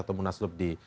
atau munas lubdi